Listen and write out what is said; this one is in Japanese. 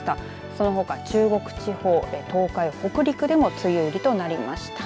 そのほか、中国地方東海、北陸でも梅雨入りとなりました。